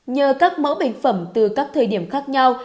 nhờ các mẫu bệnh phẩm từ các thời điểm khác nhau